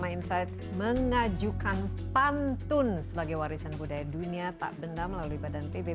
iya terima kasih anda masih bersama resp